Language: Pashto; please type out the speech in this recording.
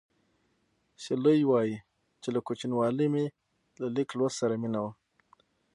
سیلۍ وايي چې له کوچنیوالي مې له لیک لوست سره مینه وه